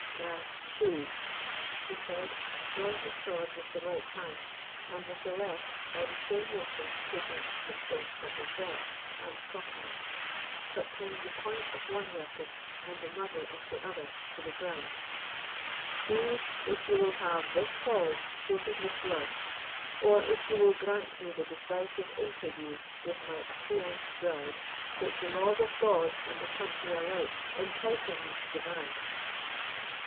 Now, choose," he said, drawing his sword with the right hand, and, with the left, by the same motion taking a pistol from his belt and cocking it, but turning the point of one weapon and the muzzle of the other to the ground—"choose if you will have this hall floated with blood, or if you will grant me the decisive interview with my affianced bride which the laws of God and the country alike entitle me to demand."